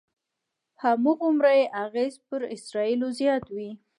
هماغومره یې اغېز پر اسرایلو زیات وي.